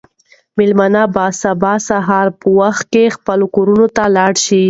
مېلمانه به سبا سهار په وخت خپلو کورونو ته لاړ شي.